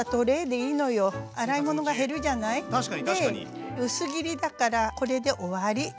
で薄切りだからこれで終わり。